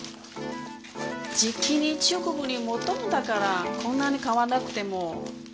じきに中国にもどるんだからこんなに買わなくても。